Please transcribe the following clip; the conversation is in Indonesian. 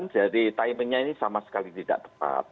jadi timingnya ini sama sekali tidak tepat